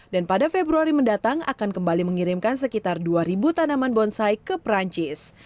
dan pada februari mendatang akan kembali mengirimkan sekitar dua ribu tanaman bonsai ke perancis